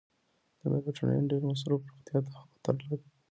د میلاټونین ډیر مصرف روغتیا ته خطر لري.